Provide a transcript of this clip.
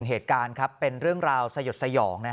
เหตุการณ์ครับเป็นเรื่องราวสยดสยอง